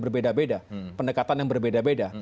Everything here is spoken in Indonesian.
berbeda beda pendekatan yang berbeda beda